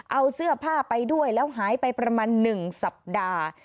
เอาเสื้อผ้าไปด้วยแล้วหายไปประมาณ๑สัปดาห์